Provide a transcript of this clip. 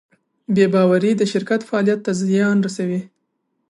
بېباورۍ د شرکت فعالیت ته زیان رسوي.